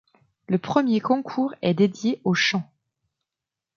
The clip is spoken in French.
Le premier Concours est dédié au chant.